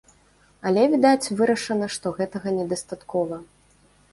Але, відаць, вырашана, што гэтага недастаткова.